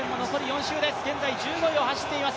現在１５位を走っています